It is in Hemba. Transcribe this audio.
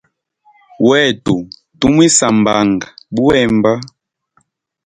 Wetu tumwisambanga buhemba.